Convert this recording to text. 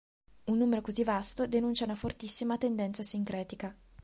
Un numero così vasto denuncia una fortissima tendenza sincretica.